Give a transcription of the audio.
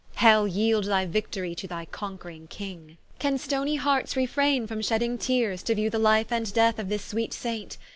Hell, yeeld thy victory to thy conq'ring King. Can stony hearts refraine from shedding teares, To view the life and death of this sweet Saint?